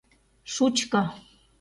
Шучко.